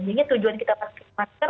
sehingga tujuan kita memakai masker